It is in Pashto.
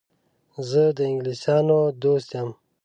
زه د انګلیسیانو دوست یم.